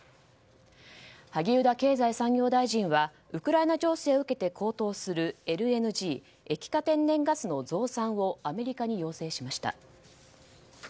萩生田経済産業大臣はウクライナ情勢を受けて高騰するＬＮＧ・液化天然ガスの増産をアメリカに要請しました。